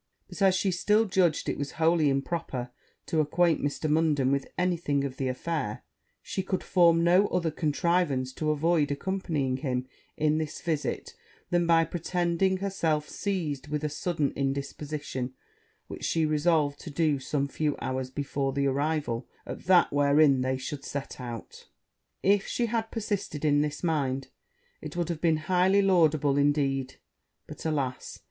But as she still judged it was wholly improper to acquaint Mr. Munden with any thing of the affair, she could form no other contrivance to avoid accompanying him in this visit, than by pretending herself seized with a sudden indisposition; which she resolved to do some few hours before the arrival of that wherein they should set out. If she had persisted in this mind, it would have been highly laudable indeed: but, alas!